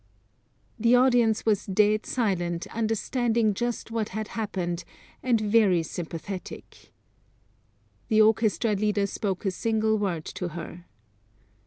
The audience was dead silent, understanding just what had happened, and very sympathetic. The orchestra leader spoke a single word to her.